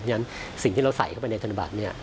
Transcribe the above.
เพราะฉะนั้นสิ่งที่เราใส่เข้าไปในธนบัตรเนี่ย